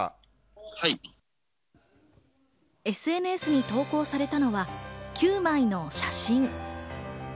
ＳＮＳに投稿されたのは９枚の写真。